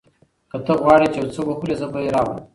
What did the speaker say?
که ته غواړې چې یو څه وخورې، زه به یې راوړم.